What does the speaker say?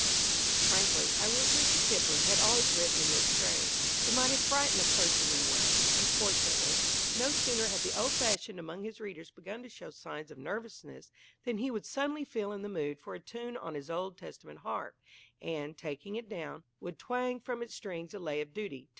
Frankly, I wish Mr. Kipling had always written in this strain. It might have frightened the clergymen away. Unfortunately, no sooner had the old fashioned among his readers begun to show signs of nervousness than he would suddenly feel in the mood for a tune on his Old Testament harp, and, taking it down, would twang from its strings a lay of duty.